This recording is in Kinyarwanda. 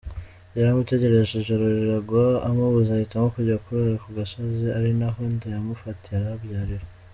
Yaramutegereje ijoro riragwa, amubuze ahitamo kujya kurarara ku gasozi, ari naho inda yamufatiye arahabyarira.